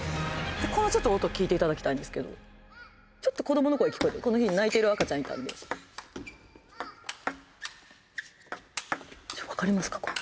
このちょっと音聴いていただきたいんですけどちょっと子供の声聞こえてるこの日泣いている赤ちゃんいたんで分かりますかこれ？